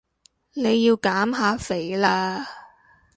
你要減下肥啦